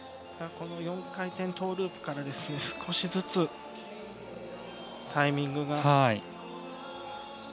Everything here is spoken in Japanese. ４回転トゥループから少しずつタイミングが。